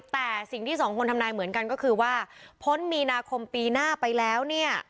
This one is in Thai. แต่สิ่งที่สองคนทำนายเหมือนกันก็คือว่าพ้นมีนาคมปีหน้าไปแล้วเนี่ย